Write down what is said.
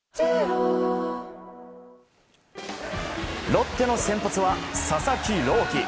ロッテの先発は佐々木朗希。